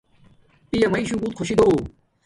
پیا میشو بوتک خوشی دو